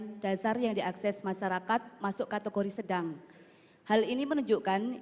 yang dasar yang diakses masyarakat masuk kategori sedang hal ini menunjukkan